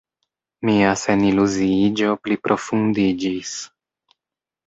Mia seniluziiĝo pliprofundiĝis.